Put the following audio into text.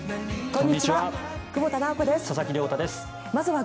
こんにちは。